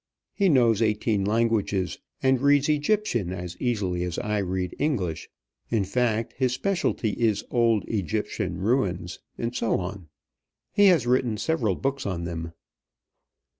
He knows eighteen languages, and reads Egyptian as easily as I read English. In fact, his specialty is old Egyptian ruins and so on. He has written several books on them.